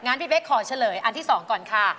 พี่เป๊กขอเฉลยอันที่๒ก่อนค่ะ